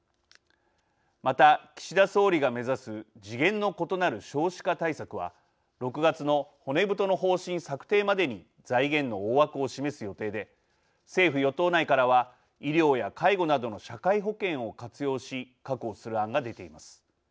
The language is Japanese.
また岸田総理が目指す次元の異なる少子化対策は６月の骨太の方針策定までに財源の大枠を示す予定で政府与党内からは医療や介護などの社会保険を活用し確保する案が出ています。